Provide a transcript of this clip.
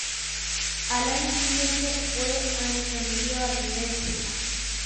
Al año siguiente fue ascendido al primer equipo.